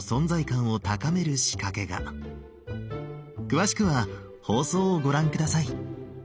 詳しくは放送をご覧下さい。